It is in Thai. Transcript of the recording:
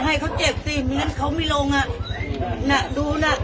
ตอนให้เขาเจ็บสิเพราะฉะนั้นเขามีโรงอ่ะน่ะดูน่ะ